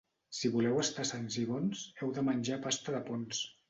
Si voleu estar sans i bons, heu de menjar pasta de Ponts.